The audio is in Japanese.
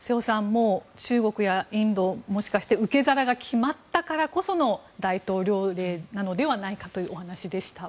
もう中国やインドもしかして受け皿が決まったからこその大統領令なのではないかというお話でした。